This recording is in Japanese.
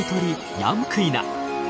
ヤンバルクイナ。